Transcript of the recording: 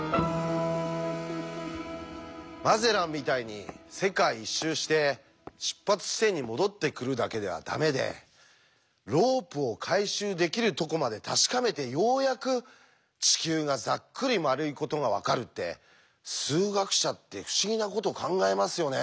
マゼランみたいに世界一周して出発地点に戻ってくるだけではダメでロープを回収できるとこまで確かめてようやく地球がざっくり丸いことが分かるって数学者って不思議なこと考えますよね。